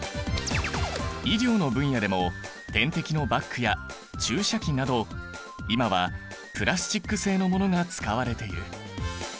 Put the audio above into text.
医療の分野でも点滴のバッグや注射器など今はプラスチック製のものが使われている。